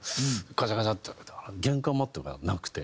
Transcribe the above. ガチャガチャって開けたら玄関マットがなくて。